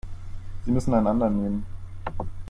Sie müssen einen anderen nehmen.